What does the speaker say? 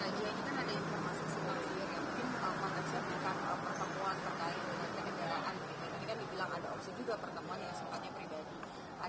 ini kan dibilang ada opsi juga pertemuan yang semuanya pribadi